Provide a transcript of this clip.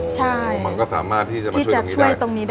ใช่มันก็สามารถที่จะมาช่วยตรงนี้ได้